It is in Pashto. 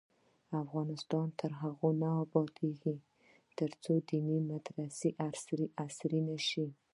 افغانستان تر هغو نه ابادیږي، ترڅو دیني مدرسې عصري نشي.